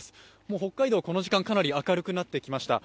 北海道、この時間はかなり明るくなってきました。